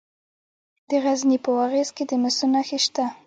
د غزني په واغظ کې د مسو نښې شته.